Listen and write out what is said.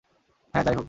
হ্যাঁ, যাই হোক।